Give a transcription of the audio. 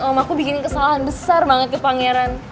sama aku bikin kesalahan besar banget ke pangeran